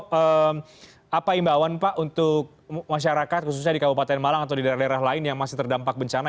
hmm apa imbauan pak untuk masyarakat khususnya di kabupaten malang atau di daerah daerah lain yang masih terdampak bencana